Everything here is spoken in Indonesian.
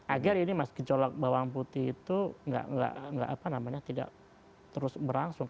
agar ini mas gejolak bawang putih itu tidak terus berlangsung